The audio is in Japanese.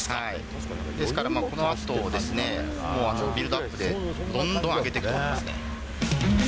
ですからこのあとですね、もうビルドアップでどんどん上げていくと思いますね。